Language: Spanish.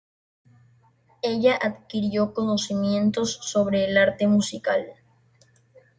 Allí adquirió conocimientos sobre el arte musical.